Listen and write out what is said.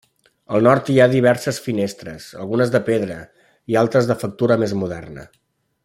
Al nord hi ha diverses finestres, algunes de pedra i altres de factura més moderna.